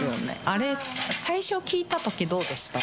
あれ、最初聞いたとき、どうでした？